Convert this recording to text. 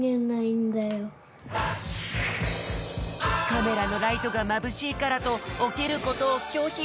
カメラのライトがまぶしいからとおきることをきょひ？